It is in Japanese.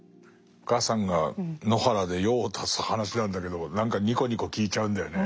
お母さんが野原で用を足す話なんだけど何かニコニコ聞いちゃうんだよね。